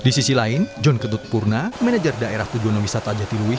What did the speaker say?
di sisi lain john ketut purna manajer daerah tujuan wisata jatiluwis